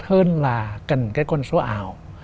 hơn là cần cái con số ảo